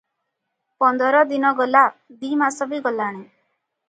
ପନ୍ଦର ଦିନ ଗଲା, ଦି ମାସ ବି ଗଲାଣି ।